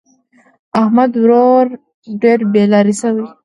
د احمد ورور ډېر بې لارې شوی دی.